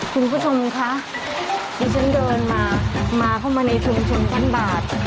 คุณผู้ชมคะดิฉันเดินมามาเข้ามาในชุมชนบ้านบาด